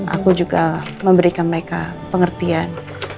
aku juga memberikan mereka pengertian